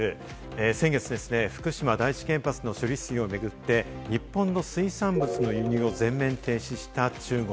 先月ですね、福島第一原発の処理水を巡って、日本の水産物の輸入を全面停止した中国。